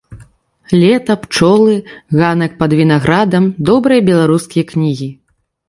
Лета, пчолы, ганак пад вінаградам, добрыя беларускія кнігі.